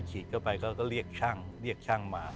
ฉีดเข้าไปก็เรียกช่างมา